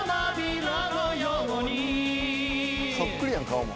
そっくりやん顔も。